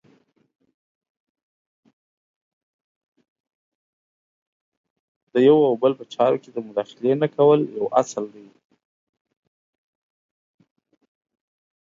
د یو او بل په چارو کې د مداخلې نه کول یو اصل دی.